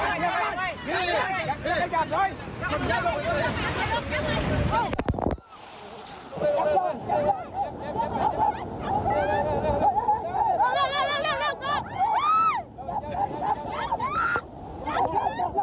สวัสดีครับ